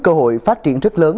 cơ hội phát triển rất lớn